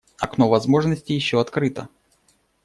Окно возможности еще открыто.